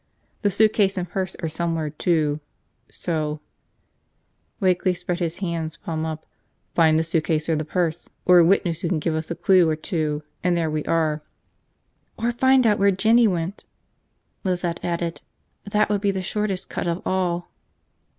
The suitcase and purse are somewhere, too. So ..." Wakeley spread his hands, palms up, "find the suitcase or the purse, or a witness who can give us a clue or two, and there we are." "Or find out where Jinny went," Lizette added. "That would be the shortest cut of all!"